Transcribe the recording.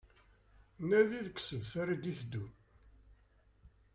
Nadi deg usebter d-iteddun